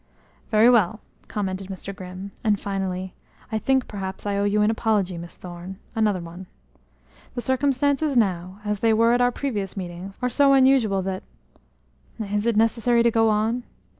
"Very well!" commented Mr. Grimm, and finally: "I think, perhaps, I owe you an apology, Miss Thorne another one. The circumstances now, as they were at our previous meetings, are so unusual that is it necessary to go on?"